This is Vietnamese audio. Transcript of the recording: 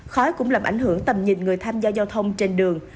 khói cũng làm ảnh hưởng tầm nhìn người tham gia giao thông trên đường